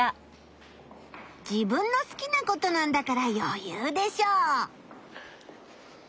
自分の好きなことなんだからよゆうでしょう。